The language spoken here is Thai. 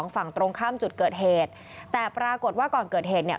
ฝั่งตรงข้ามจุดเกิดเหตุแต่ปรากฏว่าก่อนเกิดเหตุเนี่ย